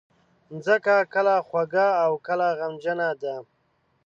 مځکه کله خوږه او کله غمجنه ده.